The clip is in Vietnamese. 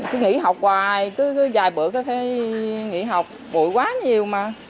cứ nghỉ học hoài cứ vài bữa có thể nghỉ học bụi quá nhiều mà